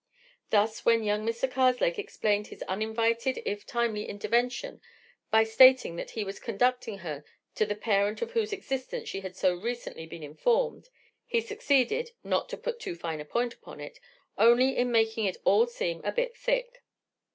Thus when young Mr. Karslake explained his uninvited if timely intervention by stating that he was conducting her to the parent of whose existence she had so recently been informed, he succeeded—not to put too fine a point upon it—only in making it all seem a bit thick.